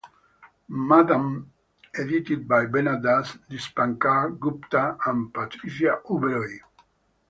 Madan, edited by Veena Das, Dipankar Gupta and Patricia Uberoi.